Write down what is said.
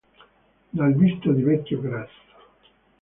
Dal viso di vecchio grasso.